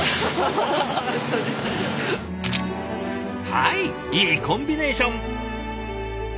はいいいコンビネーション。